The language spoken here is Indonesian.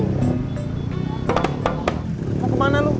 mau kemana lu